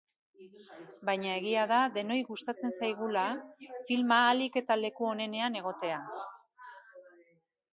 Baina egia da denoi gustatzen zaigula filma ahalik eta leku onenean egotea.